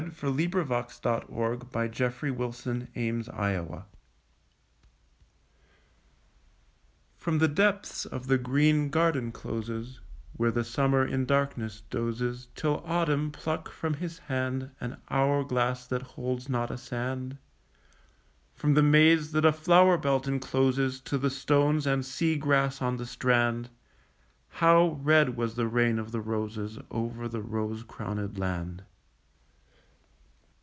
Algernon Charles Swinburne The Year of the Rose FROM the depths of the green garden closes Where the summer in darkness dozes Till autumn pluck from his hand An hour glass that holds not a sand; From the maze that a flower belt encloses To the stones and sea grass on the strand How red was the reign of the roses Over the rose crowned land!